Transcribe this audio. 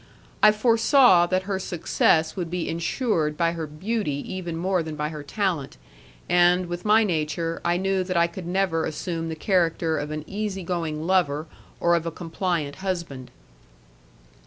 I foresaw that her success would be insured by her beauty even more than by her talent, and, with my nature, I knew that I could never assume the character of an easy going lover or of a compliant husband.